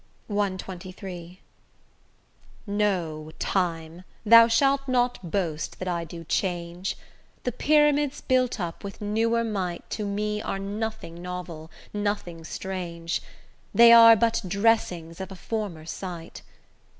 CXXIII No, Time, thou shalt not boast that I do change: Thy pyramids built up with newer might To me are nothing novel, nothing strange; They are but dressings of a former sight.